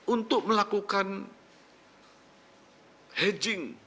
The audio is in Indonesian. untuk melakukan hedging